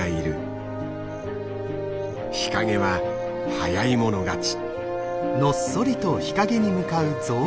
日陰は早い者勝ち。